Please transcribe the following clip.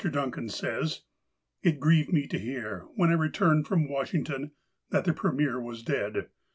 Duncan says : "It grieved me to hear, when I returned from Washington, that the Premier was dead.